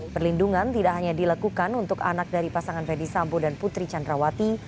perlindungan tidak hanya dilakukan untuk anak dari pasangan fedy sambo dan putri candrawati